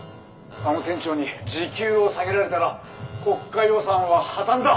あの店長に時給を下げられたら国家予算は破綻だ！」。